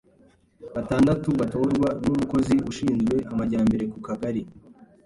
batandatu batorwa, n’umukozi ushinzwe amajyambere ku Kagari.